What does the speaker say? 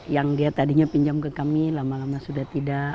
yang dia tadinya pinjam ke kami lama lama sudah tidak